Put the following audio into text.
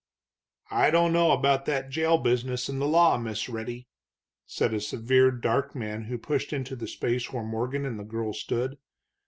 "I don't know about that jail business and the law, Miss Retty," said a severe dark man who pushed into the space where Morgan and the girl stood.